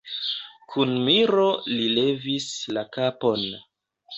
Kun miro li levis la kapon.